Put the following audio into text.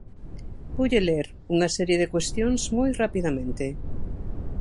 Voulle ler unha serie de cuestións moi rapidamente.